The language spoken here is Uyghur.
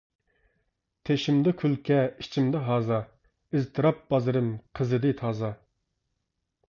تېشىمدا كۈلكە ئىچىمدە ھازا، ئىزتىراپ بازىرىم قىزىدى تازا.